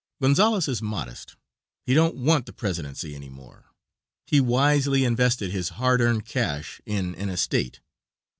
Gonzales is modest; he don't want the presidency any more. He wisely invested his hard earned cash in an estate.